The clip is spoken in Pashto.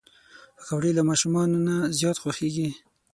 پکورې له ماشومانو نه زیات خوښېږي